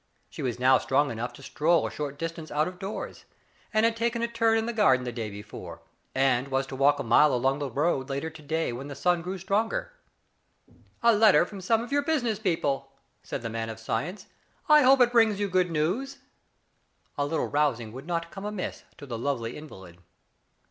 .She was now strong enough to stroll a short distance out of doors, and had taken a turn in the garden the day before, and was to walk a mile along the road later to day when the sun grew stronger. " A letter from some of your business people," said the man of science. " I hope it brings you good news." A little rousing would not come amiss to the lovely invalid.